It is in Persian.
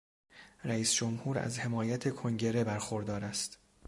رئیس جمهور از حمایت کنگره برخوردار است.